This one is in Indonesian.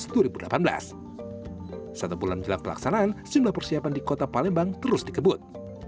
satu bulan jelang pelaksanaan sejumlah persiapan di kota palembang terus dikebut